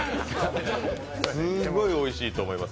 すっごいおいしいと思います。